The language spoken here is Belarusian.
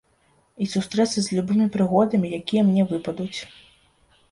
І сустрэцца з любымі прыгодамі, якія мне выпадуць.